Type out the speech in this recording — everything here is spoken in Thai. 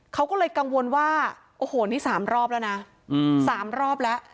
เขาก็เลยกังวลว่าโอ้โหนี่๓รอบแล้วนะ๓รอบแล้ว